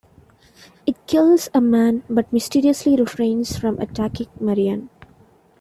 It kills a man, but mysteriously refrains from attacking Marianne.